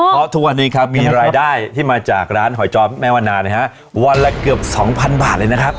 เพราะทุกวันนี้ครับมีรายได้ที่มาจากร้านหอยจอมแม่วันนานะฮะวันละเกือบสองพันบาทเลยนะครับ